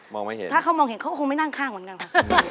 ไม่เห็นถ้าเขามองเห็นเขาก็คงไม่นั่งข้างเหมือนกันค่ะ